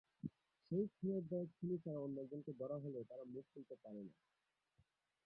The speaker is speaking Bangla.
সেই খুনের দায়ে খুনী ছাড়া অন্য একজনকে ধরা হলেও তারা মুখ খুলতে পারে না।